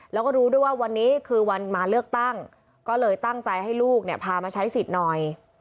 แล้วก็รู้ด้วยว่าวันนี้คือวันมาเลือกตั้งก็เลยตั้งใจให้ลูกเนี่ยพามาใช้สิทธิ์หน่อย